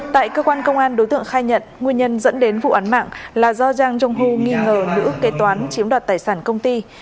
tại cơ quan công an đối tượng khai nhận nguyên nhân dẫn đến vụ án mạng là do giang jong u nghi ngờ nữ kế toán chiếm đoạt tài sản công ty